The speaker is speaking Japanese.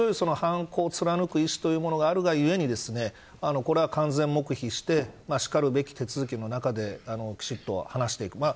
相当な強い犯行を貫く意志というものがあるがゆえにこれは完全黙秘してしかるべき手続きの中できちんと話していく。